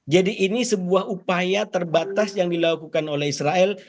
jadi ini sebuah upaya terbatas yang dilakukan oleh israel